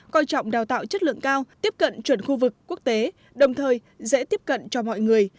coi trọng đào tạo chất lượng cao tiếp cận chuẩn khu vực quốc tế đồng thời dễ tiếp cận cho mọi người